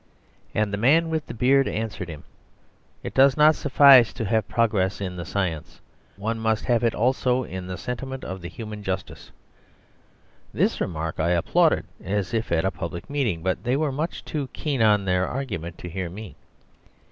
And the man with the beard answered him: "It does not suffice to have progress in the science; one must have it also in the sentiment of the human justice." This remark I applauded, as if at a public meeting, but they were much too keen on their argument to hear me.